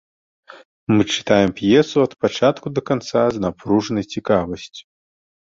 Мы чытаем п'есу ад пачатку да канца з напружанай цікавасцю.